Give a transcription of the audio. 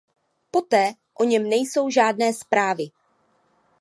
Poté o něm nejsou žádné zprávy.